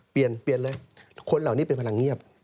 เปลี่ยนเปลี่ยนเลยคนเหล่านี้เป็นพลังเงียบ